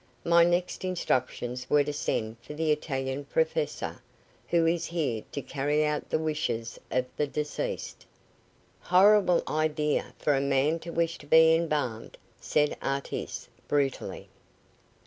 My next instructions were to send for the Italian professor, who is here to carry out the wishes of the deceased." "Horrible idea for a man to wish to be embalmed," said Artis, brutally.